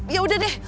ya udah deh